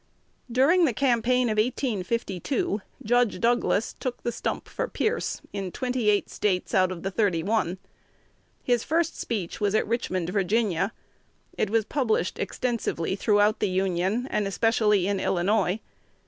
During the campaign of 1852, Judge Douglas took the stump for Pierce "in twenty eight States out of the thirty one." His first speech was at Richmond, Va. It was published extensively throughout the Union, and especially in Illinois.